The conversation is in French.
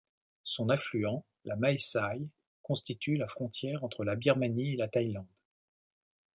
Son affluent la Mae Saï constitue la frontière entre la Birmanie et la Thaïlande.